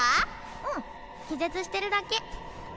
うん気絶してるだけ。